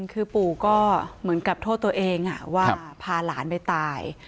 คือปู่ก็เหมือนกับโทษตัวเองว่าพาหลานไปตาย